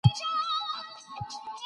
جوړه کړې ورته نورو که زينه ده